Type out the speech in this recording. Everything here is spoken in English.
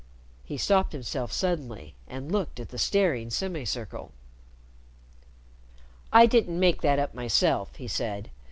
He stopped himself suddenly and looked at the staring semicircle. "I didn't make that up myself," he said.